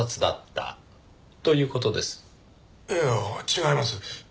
いや違います。